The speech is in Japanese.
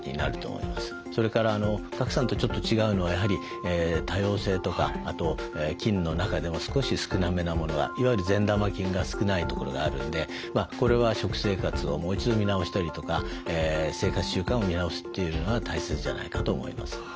それから賀来さんとちょっと違うのはやはり多様性とかあと菌の中でも少し少なめなものがいわゆる善玉菌が少ないところがあるんでこれは食生活をもう一度見直したりとか生活習慣を見直すというのが大切じゃないかと思います。